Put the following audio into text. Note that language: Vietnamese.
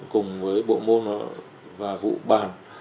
cùng với bộ môn và vụ bàn